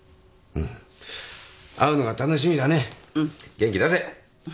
元気出せ。